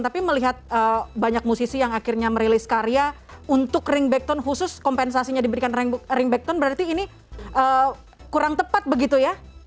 tapi melihat banyak musisi yang akhirnya merilis karya untuk ringback tone khusus kompensasinya diberikan ringback tone berarti ini kurang tepat begitu ya